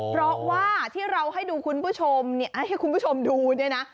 เพราะว่าที่เราให้ดูคุณผู้ชมให้คุณผู้ชมดูเนี่ยนะ